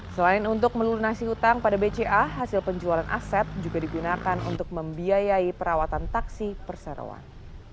selain untuk melunasi utang pada bca hasil penjualan aset juga digunakan untuk membiayai perawatan taksi perseroan